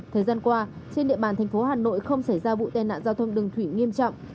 thời gian qua trên địa bàn thành phố hà nội không xảy ra vụ tai nạn giao thông đường thủy nghiêm trọng